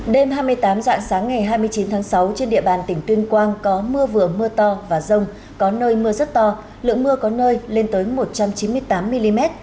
đêm hai mươi tám dạng sáng ngày hai mươi chín tháng sáu trên địa bàn tỉnh tuyên quang có mưa vừa mưa to và rông có nơi mưa rất to lượng mưa có nơi lên tới một trăm chín mươi tám mm